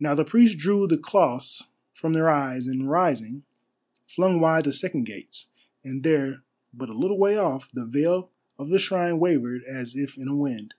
Now the priests drew the cloths from their eyes, and rising, flung wide the second gates, and there, but a little way off, the veil of the shrine wavered as if in a wind.